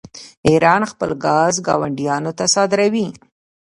ایران خپل ګاز ګاونډیانو ته صادروي.